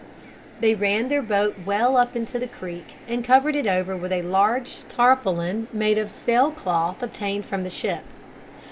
They ran their boat well up into the creek and covered it over with a large tarpaulin made of sail cloth obtained from the ship.